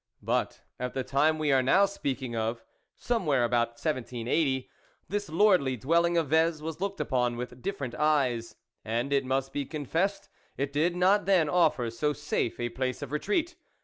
But at the time we are now speaking of, somewhere about 1780, this lordly dwelling of Vez was looked upon with different eyes, and, it must be confessed, it did not then offer so safe a place of retreat.